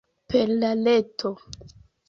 Per la reto.